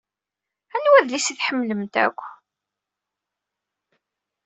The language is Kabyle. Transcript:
Anwa adlis i tḥemmlemt akk?